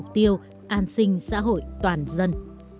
tiêu an sinh xã hội toàn dân